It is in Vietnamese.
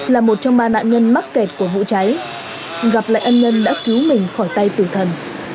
là một trong ba nạn nhân mắc kẹt của vụ cháy gặp lại ân nhân đã cứu mình khỏi tay tử thần